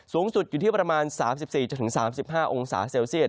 สูงสุดอยู่ที่ประมาณ๓๔๓๕องศาเซลเซียต